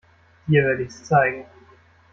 Dir werd ich's zeigen.